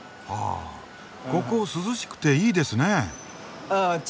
ここ涼しくていいですね？